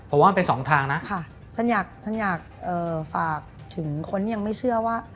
เพราะว่ามันเป็น๒ทางนะค่ะฉันอยากฝากถึงคนยังไม่เชื่อว่า